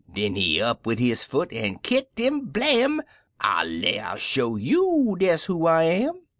" Den he up wid his foot an' kicked 'im — blam! " I lay I'll show you des who I am